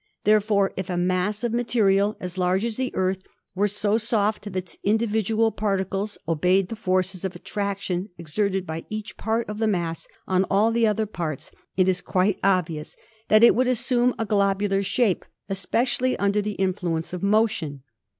Therefore if a mass of material as large as the Earth were so soft that its individual par ticles obeyed the forces of attraction exerted by each part of the mass on all the other parts, it is quite obvious that it would assume a globular shape, especially under the influence of motion.